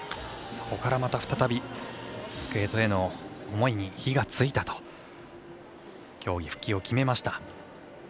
そこから、また再びスケートへの思いに火がついたと競技復帰を決めました。